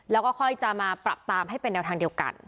แล้วก็ค่อยจะมาปรับตามให้เป็นแนวทางเดียวกัน